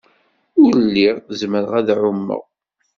Ur lliɣ zemreɣ ad ɛumeɣ.